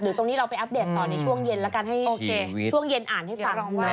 หรือตรงนี้เราอัอปเดตตอนช่วงเย็นอ่านให้ฟัง